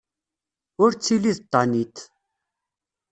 Ur ttili d Tanit.